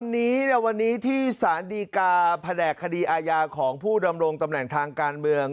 วันนี้วันนี้ที่สารดีกาแผนกคดีอาญาของผู้ดำรงตำแหน่งทางการเมือง